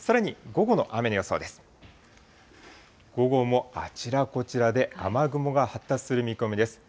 午後もあちらこちらで雨雲が発達する見込みです。